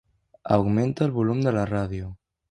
Augmenta el volum de la ràdio.